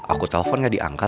aku telfon gak diangkat